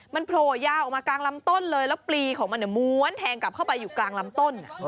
มันโผล่ยาวออกมากลางลำต้นเลยแล้วปลีของมันม้วนแทงกลับเข้าไปอยู่กลางลำต้น